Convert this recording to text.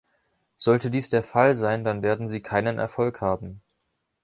Sollte dies der Fall sein, dann werden Sie keinen Erfolg haben.